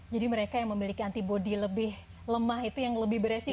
jadi mereka yang memiliki antibody lebih lemah itu yang lebih beresiko